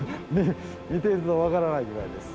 見てると分からないぐらいです。